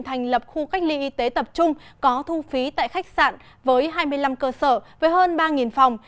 thành lập khu cách ly y tế tập trung có thu phí tại khách sạn với hai mươi năm cơ sở với hơn ba phòng